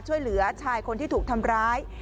ช่วยเหลือชายคนที่ถูกทำร้าย